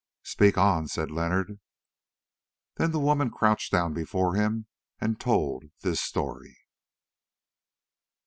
"Speak on," said Leonard. Then the woman crouched down before him and told this story.